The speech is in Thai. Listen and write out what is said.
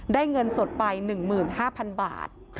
เงินสดไป๑๕๐๐๐บาท